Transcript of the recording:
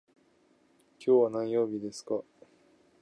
今日は何曜日ですか。